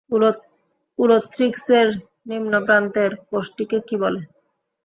উলোথ্রিক্সের নিম্নপ্রান্তের কোষটিকে কী বলে?